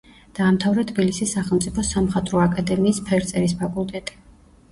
დაამთავრა თბილისის სახელმწიფო სამხატვრო აკადემიის ფერწერის ფაკულტეტი.